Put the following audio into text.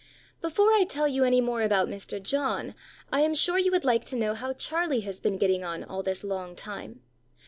BEFORE I tell you any more about Mr. John, I am sure you would like to know how Charlie has been getting on all this long time.